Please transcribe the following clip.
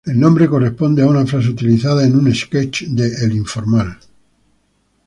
El nombre corresponde a una frase utilizada en un sketch de El Informal.